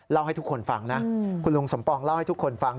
ให้ทุกคนฟังนะคุณลุงสมปองเล่าให้ทุกคนฟัง